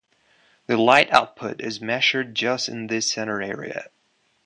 The light output is measured just in this center area.